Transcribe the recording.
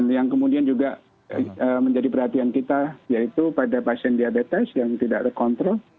yang kemudian juga menjadi perhatian kita yaitu pada pasien diabetes yang tidak terkontrol